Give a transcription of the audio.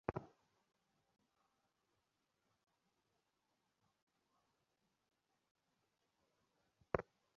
এ কয়দিন পণ্ডিতমহাশয় বড়ো মনের স্ফূর্তিতে আছেন।